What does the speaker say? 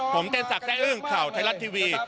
ผมเจนสักแซ่อื่นข่าวไทยรัฐทีวี